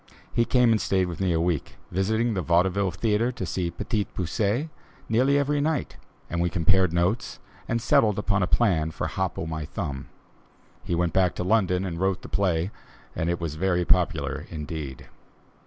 He came and stayed with me a week, visiting the Vaudeville Theatre to see "Petit Poucet" nearly every night, and we compared notes and settled upon a plan for "Hop o' my Thumb." He went back to London and wrote the play and it was very popular indeed.